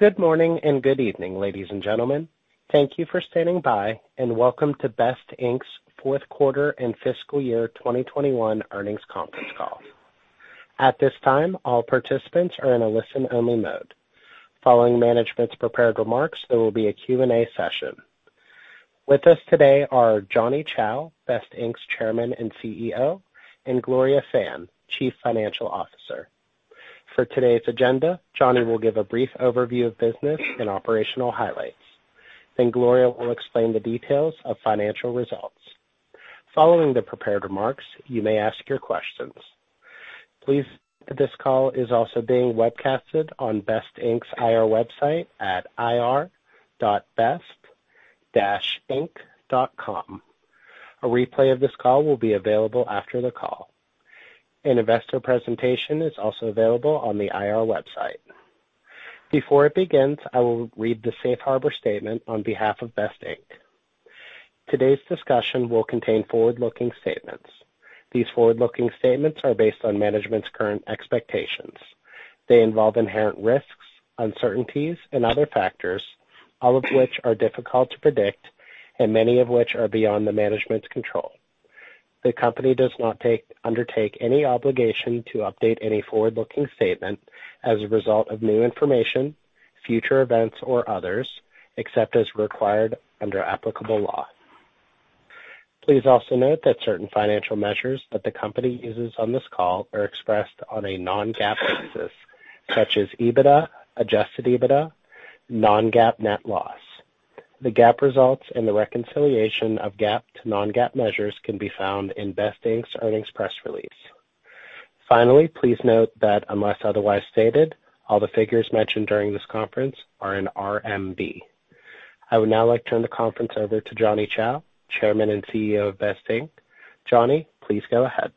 Good morning and good evening, ladies and gentlemen. Thank you for standing by and welcome to BEST Inc's fourth quarter and fiscal year 2021 earnings conference call. At this time, all participants are in a listen-only mode. Following management's prepared remarks, there will be a Q&A session. With us today are Johnny Chou, BEST Inc's Chairman and CEO, and Gloria Fan, Chief Financial Officer. For today's agenda, Johnny will give a brief overview of business and operational highlights, then Gloria will explain the details of financial results. Following the prepared remarks, you may ask your questions. Please note that this call is also being webcasted on BEST Inc's IR website at ir.best-inc.com. A replay of this call will be available after the call. An investor presentation is also available on the IR website. Before it begins, I will read the safe harbor statement on behalf of BEST Inc. Today's discussion will contain forward-looking statements. These forward-looking statements are based on management's current expectations. They involve inherent risks, uncertainties, and other factors, all of which are difficult to predict and many of which are beyond the management's control. The company does not undertake any obligation to update any forward-looking statement as a result of new information, future events, or others, except as required under applicable law. Please also note that certain financial measures that the company uses on this call are expressed on a non-GAAP basis, such as EBITDA, adjusted EBITDA, non-GAAP net loss. The GAAP results and the reconciliation of GAAP to non-GAAP measures can be found in BEST Inc's earnings press release. Finally, please note that unless otherwise stated, all the figures mentioned during this conference are in RMB. I would now like to turn the conference over to Johnny Chou, Chairman and CEO of BEST Inc. Johnny, please go ahead.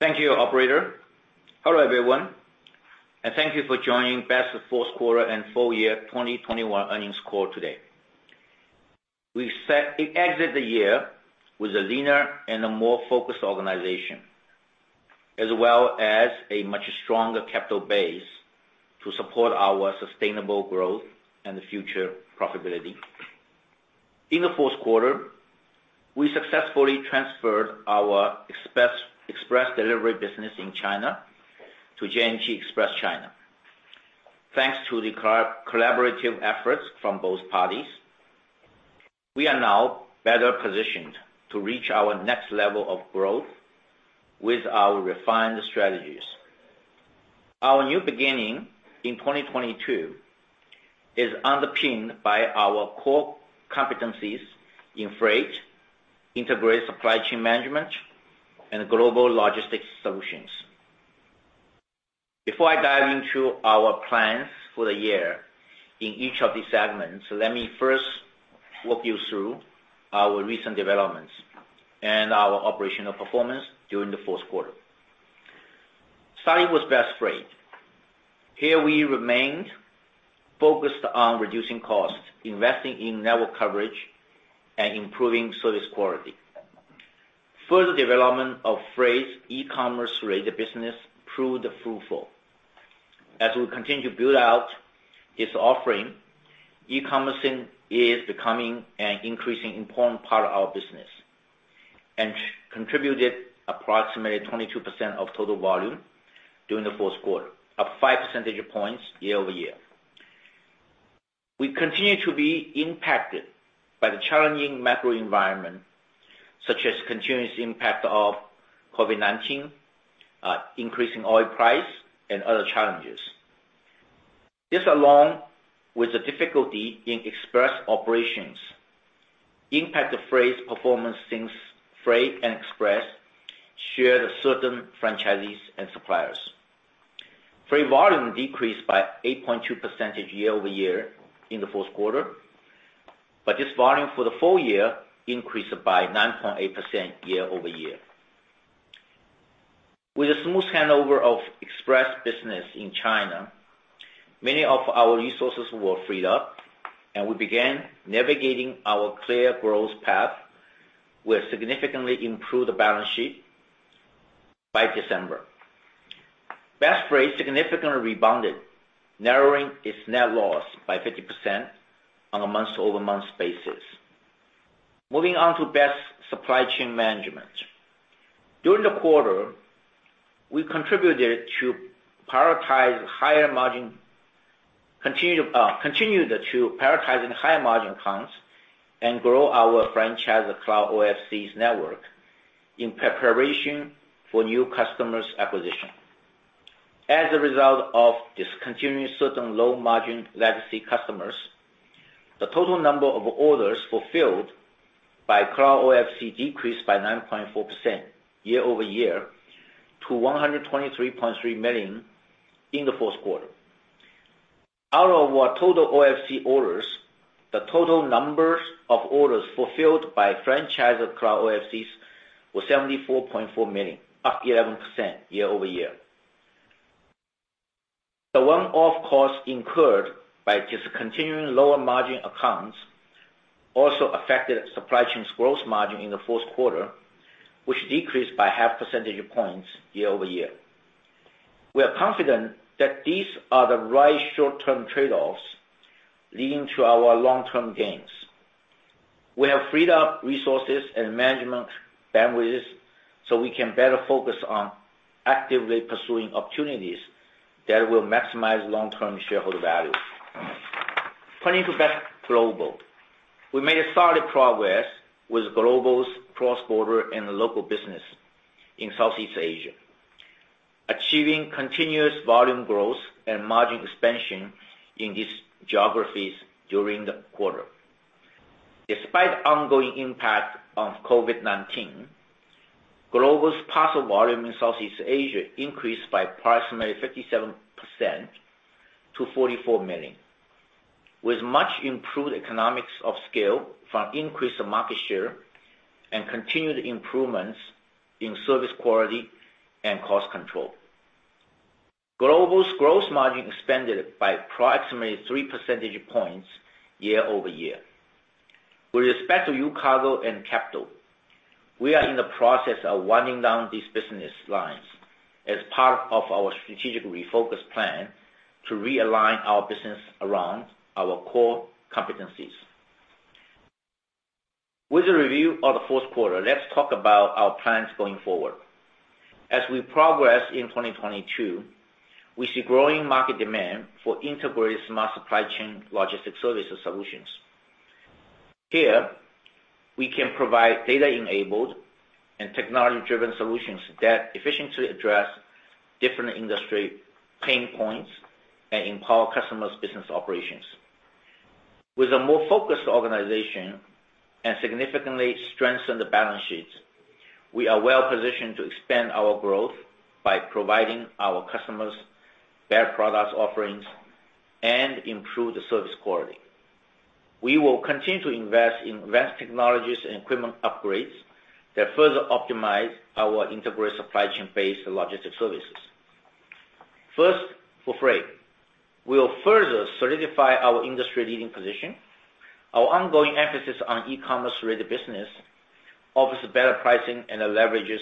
Thank you, operator. Hello, everyone, and thank you for joining BEST's fourth quarter and full year 2021 earnings call today. We exit the year with a leaner and a more focused organization, as well as a much stronger capital base to support our sustainable growth and future profitability. In the fourth quarter, we successfully transferred our express delivery business in China to J&T Express China. Thanks to the collaborative efforts from both parties, we are now better positioned to reach our next level of growth with our refined strategies. Our new beginning in 2022 is underpinned by our core competencies in Freight, Integrated Supply Chain Management, and Global Logistics Solutions. Before I dive into our plans for the year in each of these segments, let me first walk you through our recent developments and our operational performance during the fourth quarter. Starting with BEST Freight. Here we remained focused on reducing costs, investing in network coverage, and improving service quality. Further development of Freight's e-commerce-related business proved fruitful. As we continue to build out its offering, e-commerce is becoming an increasingly important part of our business and contributed approximately 22% of total volume during the fourth quarter, up 5 percentage points year-over-year. We continue to be impacted by the challenging macro environment, such as continuous impact of COVID-19, increasing oil price, and other challenges. This, along with the difficulty in Express operations, impact the Freight's performance since Freight and Express share the certain franchisees and suppliers. Freight volume decreased by 8.2% year-over-year in the fourth quarter, but this volume for the full year increased by 9.8% year-over-year. With a smooth handover of Express business in China, many of our resources were freed up, and we began navigating our clear growth path. We have significantly improved the balance sheet by December. BEST Freight significantly rebounded, narrowing its net loss by 50% on a month-over-month basis. Moving on to BEST Supply Chain Management. During the quarter, we continued to prioritize higher margin accounts and grow our franchisor Cloud OFC's network in preparation for new customers acquisition. As a result of discontinuing certain low-margin legacy customers, the total number of orders fulfilled by Cloud OFC decreased by 9.4% year-over-year to 123.3 million in the fourth quarter. Out of our total OFC orders, the total numbers of orders fulfilled by franchisor Cloud OFCs was 74.4 million, up 11% year-over-year. The one-off cost incurred by discontinuing lower-margin accounts also affected Supply Chain's growth margin in the fourth quarter, which decreased by 0.5 percentage points year-over-year. We are confident that these are the right short-term trade-offs leading to our long-term gains. We have freed up resources and management bandwidths, so we can better focus on actively pursuing opportunities that will maximize long-term shareholder value. Turning to BEST Global. We made a solid progress with Global's cross-border and local business in Southeast Asia, achieving continuous volume growth and margin expansion in these geographies during the quarter. Despite ongoing impact of COVID-19, Global's parcel volume in Southeast Asia increased by approximately 57% to 44 million, with much improved economics of scale from increased market share and continued improvements in service quality and cost control. Global's gross margin expanded by approximately 3 percentage points year-over-year. With respect to UCargo and Capital, we are in the process of winding down these business lines as part of our strategic refocus plan to realign our business around our core competencies. With a review of the fourth quarter, let's talk about our plans going forward. As we progress in 2022, we see growing market demand for Integrated Smart Supply Chain Logistics services solutions. Here, we can provide data-enabled and technology-driven solutions that efficiently address different industry pain points and empower customers' business operations. With a more focused organization and significantly strengthened balance sheets, we are well-positioned to expand our growth by providing our customers better product offerings and improve the service quality. We will continue to invest in advanced technologies and equipment upgrades that further optimize our Integrated Supply Chain-based Logistics services. First, for Freight. We'll further solidify our industry-leading position. Our ongoing emphasis on e-commerce-related business offers better pricing and leverages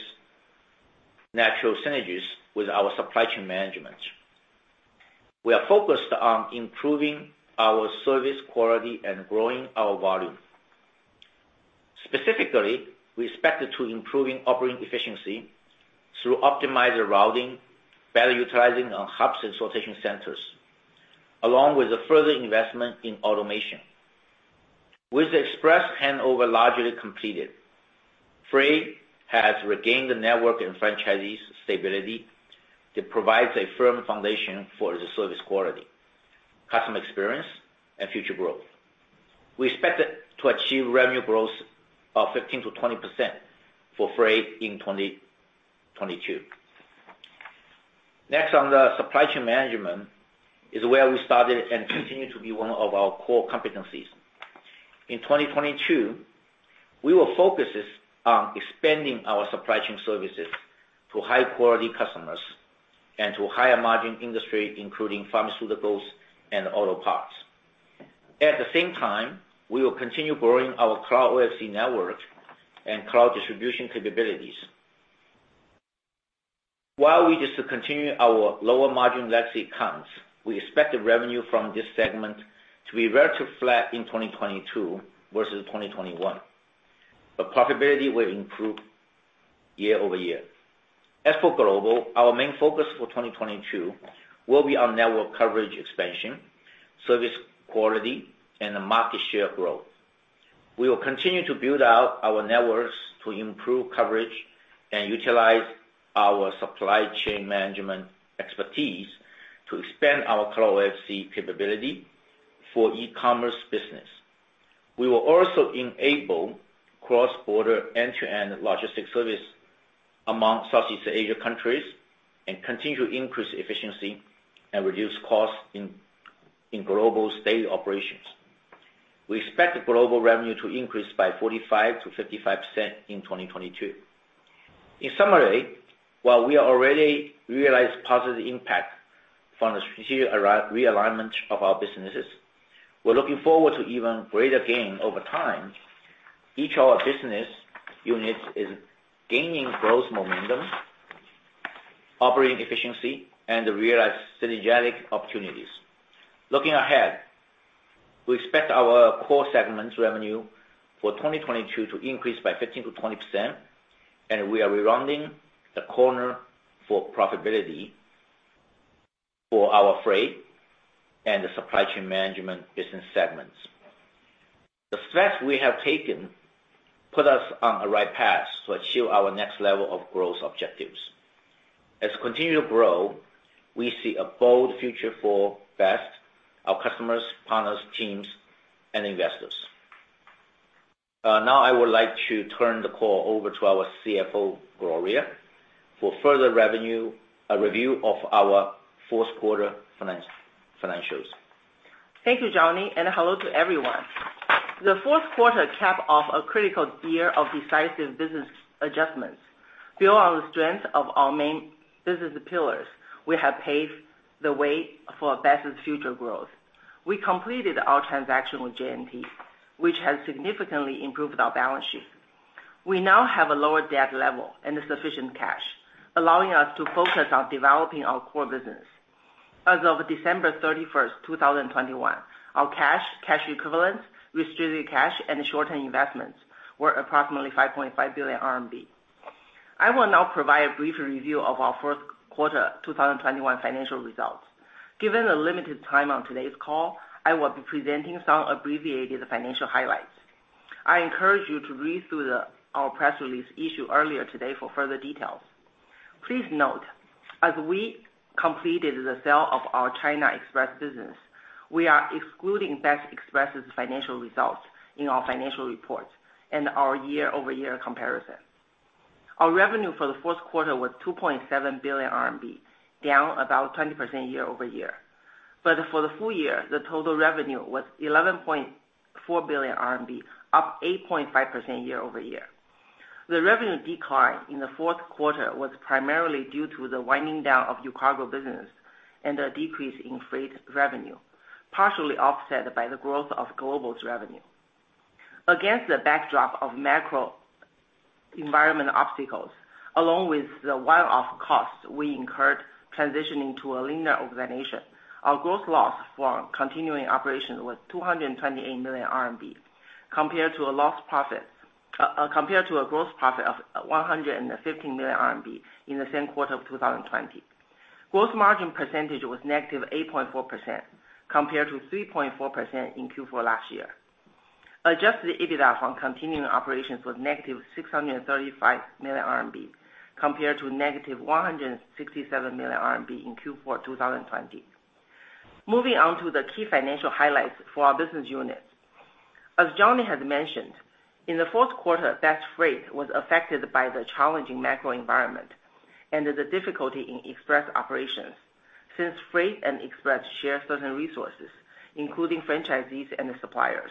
natural synergies with our Supply Chain Management. We are focused on improving our service quality and growing our volume. Specifically, we expect to improve operating efficiency through optimized routing, better utilizing our hubs and sortation centers, along with the further investment in automation. With the Express handover largely completed, Freight has regained the network and franchisees' stability that provides a firm foundation for the service quality, customer experience, and future growth. We expect it to achieve revenue growth of 15%-20% for Freight in 2022. Next on the Supply Chain Management is where we started and continue to be one of our core competencies. In 2022, we will focus this on expanding our Supply Chain services to high-quality customers and to higher margin industries, including pharmaceuticals and auto parts. At the same time, we will continue growing our Cloud OFC network and cloud distribution capabilities. While we discontinue our lower margin legacy accounts, we expect the revenue from this segment to be relatively flat in 2022 versus 2021, but profitability will improve year-over-year. As for Global, our main focus for 2022 will be on network coverage expansion, service quality, and the market share growth. We will continue to build out our networks to improve coverage and utilize our Supply Chain Management expertise to expand our Cloud OFC capability for e-commerce business. We will also enable cross-border end-to-end Logistics service among Southeast Asia countries and continue to increase efficiency and reduce costs in Global's daily operations. We expect Global revenue to increase by 45%-55% in 2022. In summary, while we already realized positive impact from the strategic realignment of our businesses, we're looking forward to even greater gain over time. Each of our business units is gaining growth momentum, operating efficiency, and realize synergetic opportunities. Looking ahead, we expect our core segments revenue for 2022 to increase by 15%-20%, and we are rounding the corner for profitability for our Freight and the Supply Chain Management business segments. The steps we have taken put us on a right path to achieve our next level of growth objectives. As we continue to grow, we see a bold future for BEST, our customers, partners, teams, and investors. Now I would like to turn the call over to our CFO, Gloria, for review of our fourth quarter financials. Thank you, Johnny, and hello to everyone. The fourth quarter capped off a critical year of decisive business adjustments. Build on the strength of our main business pillars, we have paved the way for BEST's future growth. We completed our transaction with J&T, which has significantly improved our balance sheet. We now have a lower debt level and sufficient cash, allowing us to focus on developing our core business. As of December 31st, 2021, our cash, cash equivalents, restricted cash and short-term investments were approximately 5.5 billion RMB. I will now provide a brief review of our first quarter 2021 financial results. Given the limited time on today's call, I will be presenting some abbreviated financial highlights. I encourage you to read through our press release issued earlier today for further details. Please note, as we completed the sale of our China Express business, we are excluding BEST Express's financial results in our financial reports and our year-over-year comparison. Our revenue for the fourth quarter was 2.7 billion RMB, down about 20% year-over-year. For the full year, the total revenue was 11.4 billion RMB, up 8.5% year-over-year. The revenue decline in the fourth quarter was primarily due to the winding down of UCargo business and a decrease in Freight revenue, partially offset by the growth of Global's revenue. Against the backdrop of macro environment obstacles, along with the one-off costs we incurred transitioning to a leaner organization, our gross loss for continuing operations was 228 million RMB compared to a gross profit of 150 million RMB in the same quarter of 2020. Gross margin percentage was -8.4% compared to 3.4% in Q4 last year. Adjusted EBITDA from continuing operations was -635 million RMB, compared to -167 million RMB in Q4 2020. Moving on to the key financial highlights for our business units. As Johnny has mentioned, in the fourth quarter, BEST Freight was affected by the challenging macro environment and the difficulty in Express operations since Freight and Express share certain resources, including franchisees and suppliers.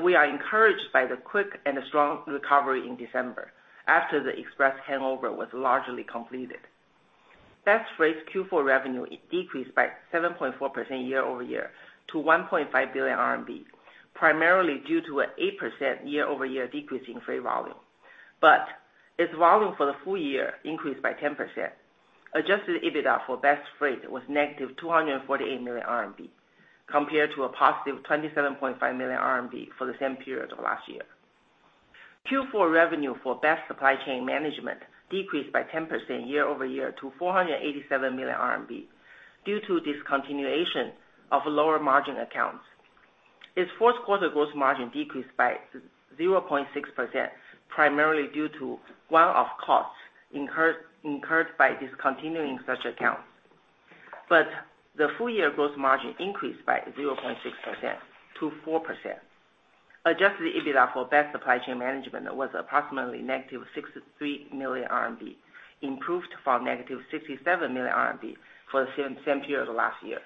We are encouraged by the quick and strong recovery in December after the Express handover was largely completed. BEST Freight Q4 revenue decreased by 7.4% year-over-year to 1.5 billion RMB, primarily due to an 8% year-over-year decrease in Freight volume. Its volume for the full year increased by 10%. Adjusted EBITDA for BEST Freight was -248 million RMB, compared to a +27.5 million RMB for the same period of last year. Q4 revenue for BEST Supply Chain Management decreased by 10% year-over-year to 487 million RMB due to discontinuation of lower margin accounts. Its fourth quarter gross margin decreased by 0.6%, primarily due to one-off costs incurred by discontinuing such accounts. The full year gross margin increased by 0.6% to 4%. Adjusted EBITDA for BEST Supply Chain Management was approximately -63 million RMB, improved from -67 million RMB for the same period last year.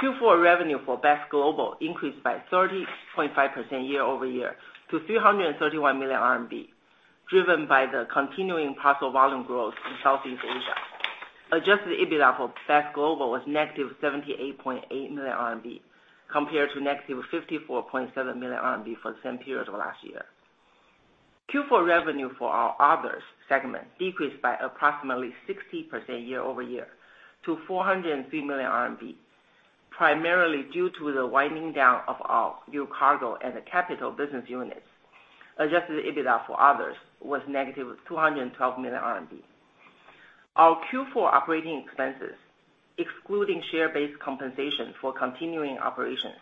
Q4 revenue for BEST Global increased by 30.5% year-over-year to 331 million RMB, driven by the continuing parcel volume growth in Southeast Asia. Adjusted EBITDA for BEST Global was -78.8 million RMB, compared to -54.7 million RMB for the same period of last year. Q4 revenue for our Others segment decreased by approximately 60% year-over-year to 403 million RMB, primarily due to the winding down of our UCargo and the Capital business units. Adjusted EBITDA for Others was -212 million RMB. Our Q4 operating expenses, excluding share-based compensation for continuing operations,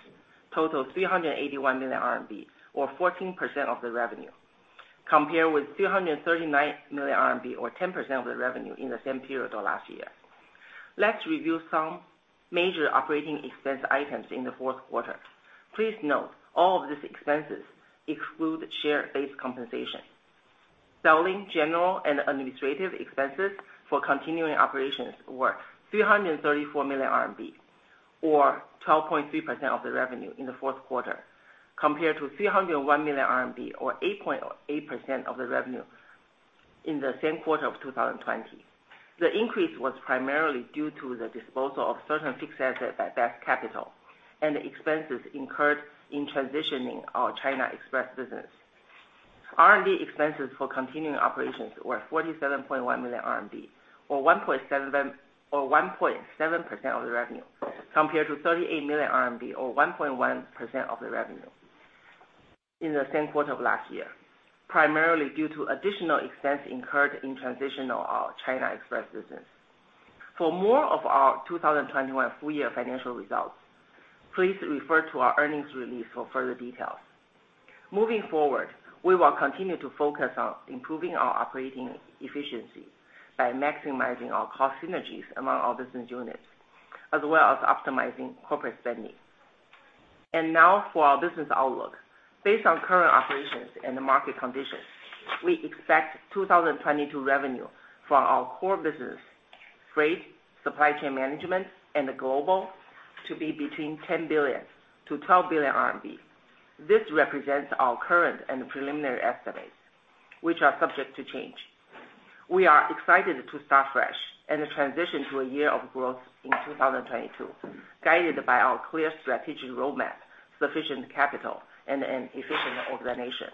total 381 million RMB, or 14% of the revenue, compared with 339 million RMB, or 10% of the revenue in the same period of last year. Let's review some major operating expense items in the fourth quarter. Please note all of these expenses exclude share-based compensation. Selling, general and administrative expenses for continuing operations were 334 million RMB, or 12.3% of the revenue in the fourth quarter, compared to 301 million RMB or 8.8% of the revenue in the same quarter of 2020. The increase was primarily due to the disposal of certain fixed assets at BEST Capital and the expenses incurred in transitioning our China Express business. R&D expenses for continuing operations were 47.1 million RMB or 1.7% of the revenue, compared to 38 million RMB or 1.1% of the revenue in the same quarter of last year, primarily due to additional expenses incurred in transitioning our China Express business. For more of our 2021 full year financial results, please refer to our earnings release for further details. Moving forward, we will continue to focus on improving our operating efficiency by maximizing our cost synergies among our business units, as well as optimizing corporate spending. Now for our business outlook. Based on current operations and the market conditions, we expect 2022 revenue for our core business, Freight, Supply Chain Management, and Global to be between 10 billion-12 billion RMB. This represents our current and preliminary estimates, which are subject to change. We are excited to start fresh and transition to a year of growth in 2022, guided by our clear strategic roadmap, sufficient capital, and an efficient organization.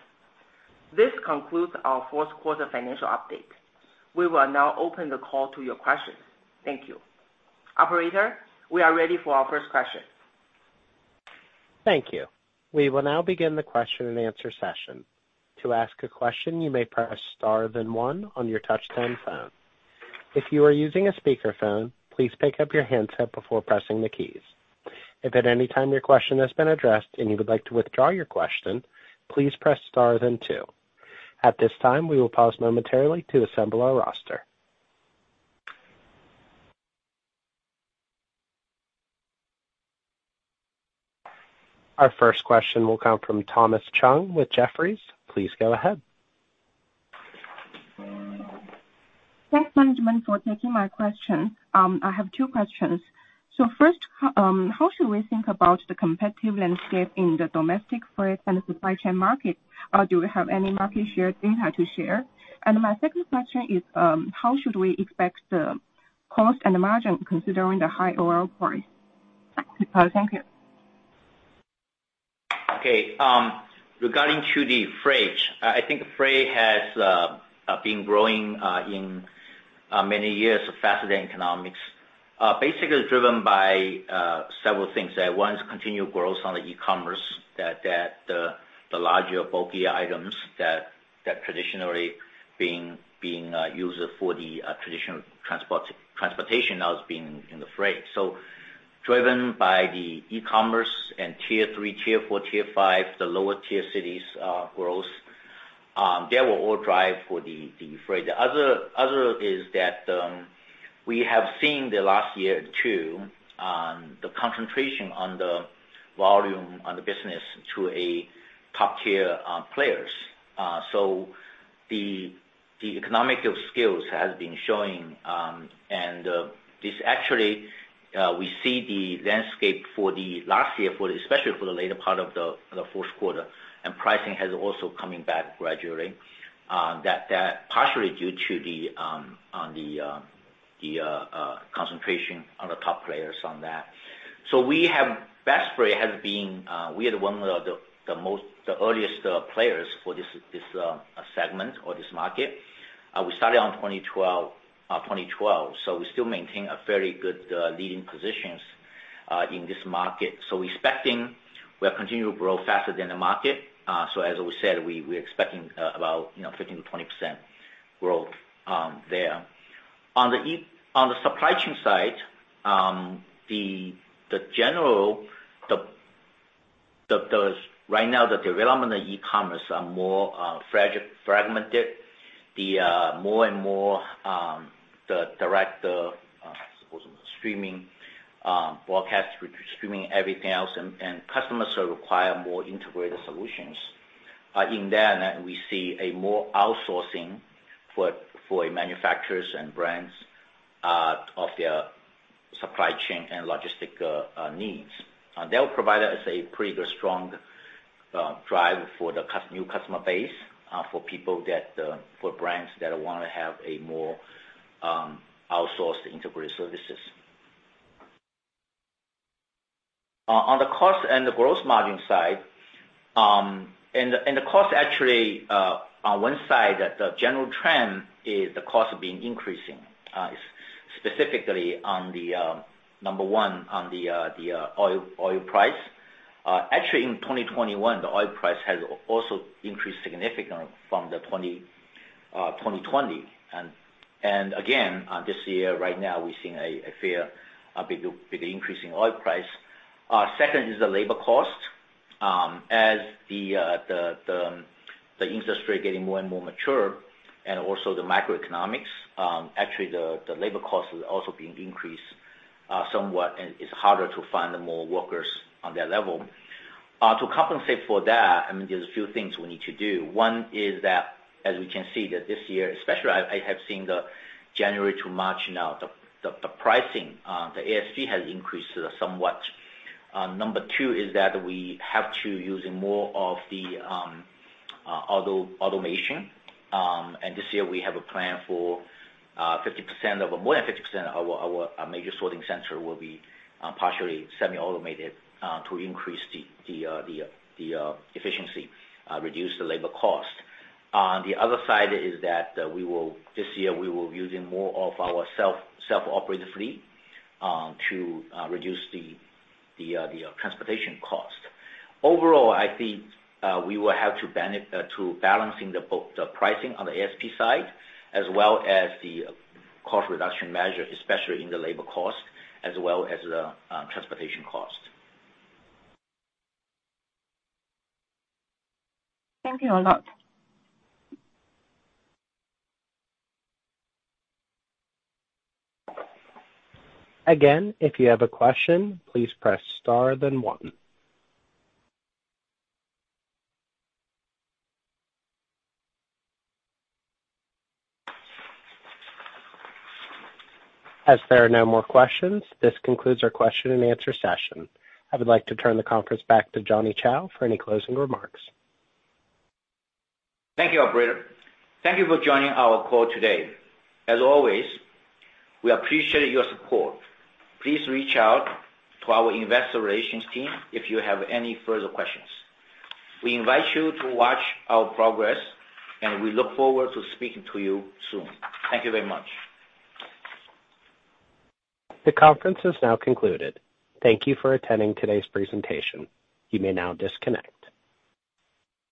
This concludes our fourth quarter financial update. We will now open the call to your questions. Thank you. Operator, we are ready for our first question. Thank you. We will now begin the question-and-answer session. To ask a question, you may press star then one on your touch-tone phone. If you are using a speakerphone, please pick up your handset before pressing the keys. If at any time your question has been addressed and you would like to withdraw your question, please press star then two. At this time, we will pause momentarily to assemble our roster. Our first question will come from Thomas Chong with Jefferies. Please go ahead. Thanks management for taking my question. I have two questions. First, how should we think about the competitive landscape in the domestic Freight and Supply Chain market? Or do you have any market share data to share? My second question is, how should we expect the cost and the margin considering the high oil price? Thank you. Okay. Regarding the Freight, I think Freight has been growing in many years faster than economics. Basically driven by several things. One is continued growth on the e-commerce that the larger bulky items that traditionally being used for the traditional transportation now is being in the Freight. Driven by the e-commerce and Tier 3, Tier 4, Tier 5, the lower tier cities growth, they will all drive for the Freight. The other is that we have seen the last year too the concentration on the volume on the business to a top tier players. The economics of scale has been showing, and this actually we see the landscape for the last year, especially for the later part of the fourth quarter, and pricing has also been coming back gradually, that partially due to the concentration on the top players on that. BEST Freight has been, we are one of the earliest players for this segment or this market. We started in 2012, so we still maintain a very good leading position in this market. We are expecting to continue to grow faster than the market. As we said, we expect about, you know, 15%-20% growth there. On the Supply Chain side, the general, right now the development of e-commerce are more fragmented. The more and more the direct I suppose streaming broadcast streaming everything else and customers will require more integrated solutions. In that we see a more outsourcing for manufacturers and brands of their supply chain and logistics needs. They'll provide us a pretty strong drive for the new customer base for brands that wanna have a more outsourced integrated services. On the cost and the growth margin side, the cost actually on one side, the general trend is the cost being increasing specifically on the number one on the oil price. Actually in 2021, the oil price has also increased significantly from 2020. In this year, right now, we're seeing a fairly big increase in oil price. Second is the labor cost. As the industry getting more and more mature and also the macroeconomics, actually the labor cost is also being increased somewhat, and it's harder to find more workers on that level. To compensate for that, I mean, there's a few things we need to do. One is that, as we can see that this year especially, I have seen the January to March now, the pricing, the ASP has increased somewhat. Number two is that we have to using more of the automation. This year we have a plan for more than 50% of our major sorting center to be partially semi-automated to increase the efficiency, reduce the labor cost. On the other side is that this year we will use more of our self-operated fleet to reduce the transportation cost. Overall, I think we will have to balance the pricing on the ASP side as well as the cost reduction measure, especially in the labor cost, as well as the transportation cost. Thank you a lot. Again, if you have a question, please press star then one. As there are no more questions, this concludes our question and answer session. I would like to turn the conference back to Johnny Chou for any closing remarks. Thank you, operator. Thank you for joining our call today. As always, we appreciate your support. Please reach out to our investor relations team if you have any further questions. We invite you to watch our progress, and we look forward to speaking to you soon. Thank you very much. The conference is now concluded. Thank you for attending today's presentation. You may now disconnect.